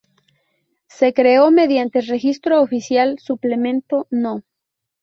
Se creó mediante Registro Oficial Suplemento No.